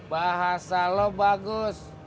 bahasa lu bagus